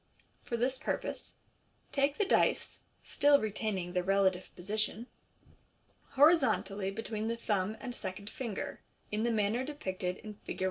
For this purpose take the dice (still retaining their relative position) horizontally between the thumb and second finger, in the manner depicted in Fig.